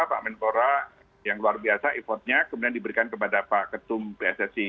pak menpora yang luar biasa effortnya kemudian diberikan kepada pak ketum pssi